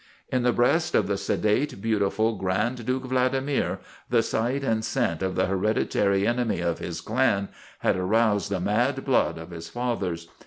In the breast of the sedate, beautiful Grand Duke Vladimir the sight and scent of the hereditary enemy of his clan had aroused the mad blood of his fathers.